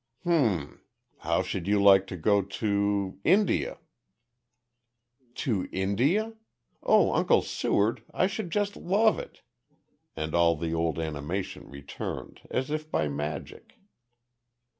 "H'm! How should you like to go to India?" "To India? Oh, Uncle Seward, I should just love it," and all the old animation returned, as if by magic.